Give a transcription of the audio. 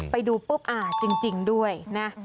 ไปดูปุ๊บอ่าจริงด้วยนะ